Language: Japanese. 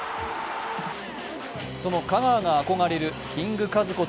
その香川が憧れるキング・カズこと